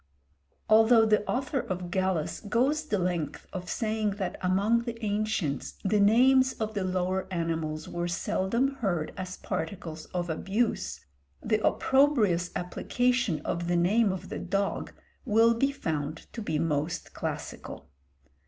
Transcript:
Although the author of Gallus goes the length of saying that among the ancients the names of the lower animals were seldom heard as particles of abuse, the opprobrious application of the name of the dog will be found to be most classical.